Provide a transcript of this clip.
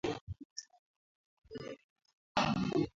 mwaga maji uliyolowekea ili kupunguza kemikali ya phytates